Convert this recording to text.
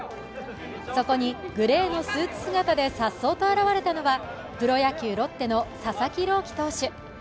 そこにグレーのスーツ姿でさっそうと現れたのはプロ野球ロッテの佐々木朗希投手。